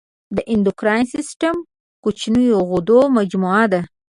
د اندوکراین سیستم کوچنیو غدو مجموعه ده.